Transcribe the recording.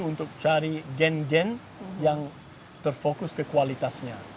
untuk cari gen gen yang terfokus ke kualitasnya